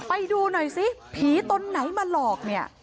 ไปดูหน่อยสิผีตนไหนมาหลอกเนี่ย